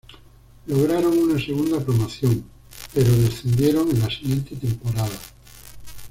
Lograron una segunda promoción, pero descendieron en la siguiente temporada.